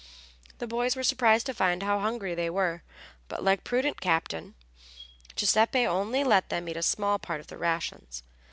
The boys were surprised to find how hungry they were, but like a prudent captain Giuseppe would only let them eat a small part of the rations.